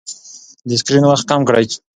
د سکرین وخت کم کړئ.